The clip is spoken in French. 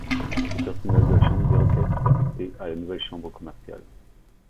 Le personnel de la chambre des requêtes fut affecté à la nouvelle chambre commerciale.